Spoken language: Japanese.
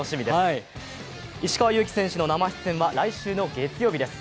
石川祐希選手の生出演は来週、月曜日です。